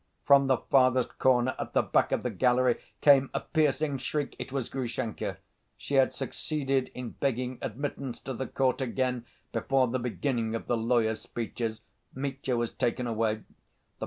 From the farthest corner at the back of the gallery came a piercing shriek—it was Grushenka. She had succeeded in begging admittance to the court again before the beginning of the lawyers' speeches. Mitya was taken away.